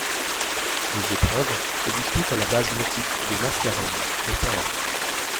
Les épreuves se disputent à la base nautique des Mascareignes, au Port.